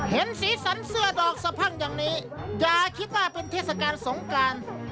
เห็นสีสันเสื้อดอกสะพั่งอย่างนี้อย่าคิดว่าเป็นเทศกาลสงกราน